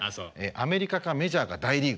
アメリカかメジャーか大リーグ。